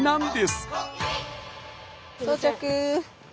到着！